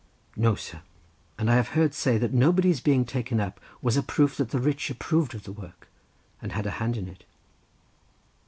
"No, sir; and I have heard say that nobody's being taken up was a proof that the rich approved of the work and had a hand in it."